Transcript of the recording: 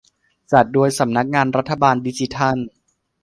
จัดโดยสำนักงานรัฐบาลดิจิทัล